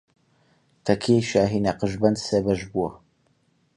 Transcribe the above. تەکیەی شاهی نەقشبەند سێ بەش بووە